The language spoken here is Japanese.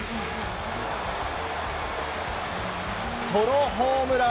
ソロホームラン！